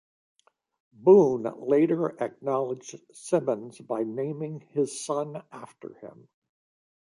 Boon later acknowledged Simmons by naming his son after him.